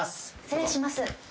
失礼します。